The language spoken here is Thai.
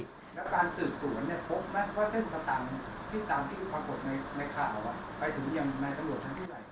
แล้วการสืบสวนเนี่ยพบไหมว่าเส้นสตังค์ที่ตามที่ปรากฏในข่าวไปถึงยังในตำรวจชั้นผู้ใหญ่